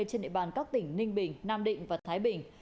trên địa bàn các tỉnh ninh bình nam định và thái bình